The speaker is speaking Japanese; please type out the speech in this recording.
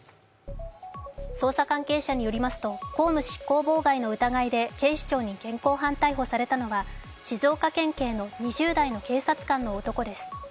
捜査関係者によりますと、公務執行妨害の疑いで警視庁に現行犯逮捕されたのは、静岡県警の２０代の警察官の男です。